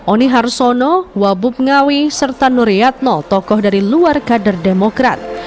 oni harsono wabub ngawi serta nur yatno tokoh dari luar kader demokrat